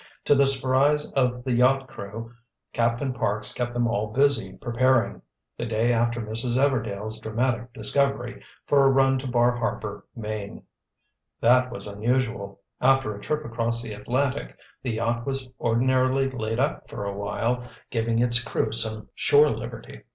To the surprise of the yacht crew, Captain Parks kept them all busy preparing, the day after Mrs. Everdail's dramatic discovery, for a run to Bar Harbor, Maine. That was unusual. After a trip across the Atlantic, the yacht was ordinarily laid up for awhile, giving its crew some shore liberty.